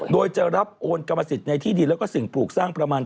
โดยจะรับโอนกรรมสิทธิ์ในที่ดินแล้วก็สิ่งปลูกสร้างประมาณ